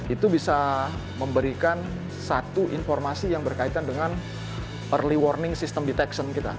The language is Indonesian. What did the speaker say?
itu bisa memberikan satu informasi yang berkaitan dengan early warning system detection kita